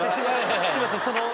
すいません。